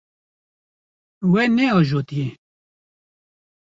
We neajotiye.